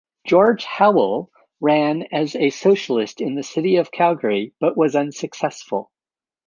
George Howell ran as a Socialist in the city of Calgary but was unsuccessful.